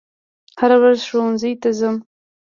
هره ورځ ښوونځي ته ځم